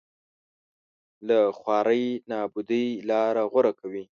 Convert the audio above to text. له خوارۍ نابودۍ لاره غوره کوي